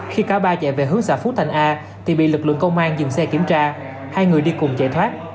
khi cả ba chạy về hướng xã phú thành a thì bị lực lượng công an dừng xe kiểm tra hai người đi cùng chạy thoát